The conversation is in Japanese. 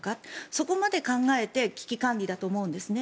そこまで考えて危機管理だと思うんですね。